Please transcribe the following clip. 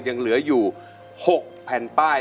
ยังเหลืออยู่๖แผ่นป้าย